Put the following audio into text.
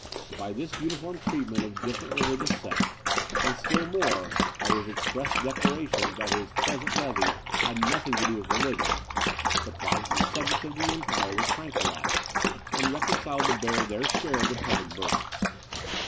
By this uniform treatment of different religious sects, and still more by his express declaration, that his present levy had nothing to do with religion, the Protestant subjects of the empire were tranquillized, and reconciled to bear their share of the public burdens.